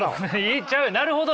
なるほど。